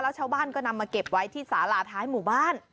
ชาวบ้านก็นำมาเก็บไว้ที่สาลาท้ายหมู่บ้าน